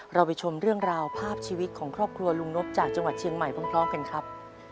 เราไปชมเรื่องราวภาพชีวิตของครอบครัวลุงนบจากจังหวัดเชียงใหม่พร้อมกันครับ